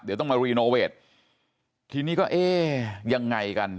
เดี๋ยวต้องมารีโนเวททีนี้ก็เอ๊ะยังไงกัน